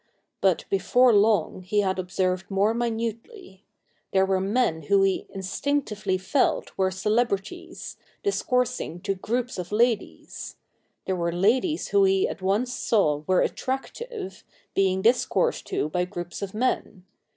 But before long he had observed more minutely. There were men who he instinctively felt were celebrities, discoursing to groups of ladies ; there were ladies who he at once saw were attractive, being discoursed to by groups of men.